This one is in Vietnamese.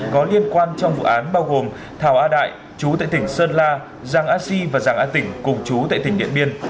có liên quan trong vụ án bao gồm thảo a đại trú tại tỉnh sơn la giang a si và giang a tỉnh cùng trú tại tỉnh điện biên